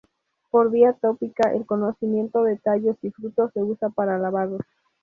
Por vía tópica, el cocimiento de tallos y frutos se usa para lavados.